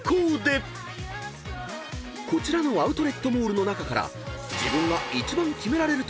［こちらのアウトレットモールの中から］